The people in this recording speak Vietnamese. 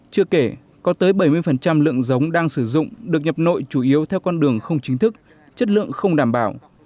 chưa kể có tới bảy mươi lượng giống đang sử dụng được nhập nội chủ yếu theo con đường không chính thức chất lượng không đảm bảo